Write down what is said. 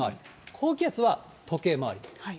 高気圧は時計回りです。